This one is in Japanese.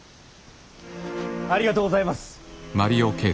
ありがとうございます。